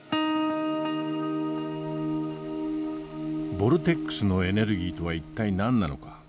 ボルテックスのエネルギーとは一体何なのか？